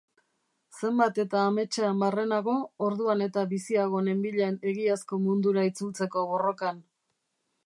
Zenbat eta ametsean barrenago, orduan eta biziago nenbilen egiazko mundura itzultzeko borrokan.